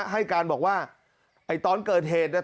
ให้การบอกว่าไอ้ตอนเกิดเหตุเนี่ย